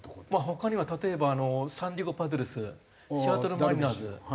他には例えばサンディエゴ・パドレスシアトル・マリナーズ。